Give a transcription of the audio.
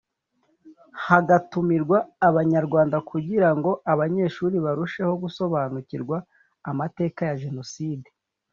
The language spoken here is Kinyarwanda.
hagatumirwa Abanyarwanda kugira ngo abanyeshuri barusheho gusobanukirwa amateka ya Jenoside